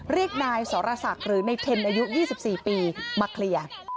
เรียกนายสรศักดิ์หรือในเทนอายุ๒๔ปีมาเคลียร์